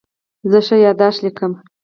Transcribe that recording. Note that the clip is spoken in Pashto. زه ښه یادښت لیکم.